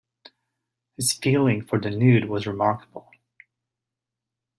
His feeling for the nude was remarkable.